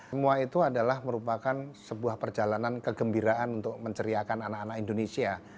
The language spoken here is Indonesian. semua itu adalah merupakan sebuah perjalanan kegembiraan untuk menceriakan anak anak indonesia